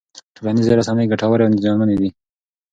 ټولنیزې رسنۍ ګټورې او زیانمنې دي.